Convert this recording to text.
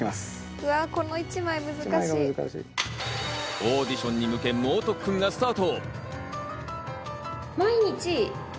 オーディションに向け、猛特訓がスタート。